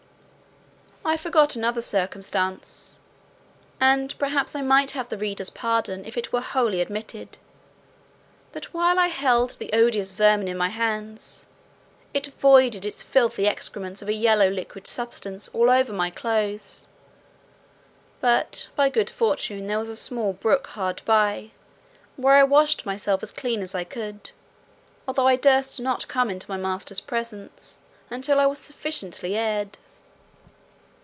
I forgot another circumstance (and perhaps I might have the reader's pardon if it were wholly omitted), that while I held the odious vermin in my hands, it voided its filthy excrements of a yellow liquid substance all over my clothes; but by good fortune there was a small brook hard by, where I washed myself as clean as I could; although I durst not come into my master's presence until I were sufficiently aired.